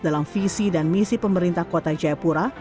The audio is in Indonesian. dalam visi dan misi pemerintah kota jayapura